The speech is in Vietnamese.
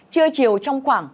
trưa chiều trong khoảng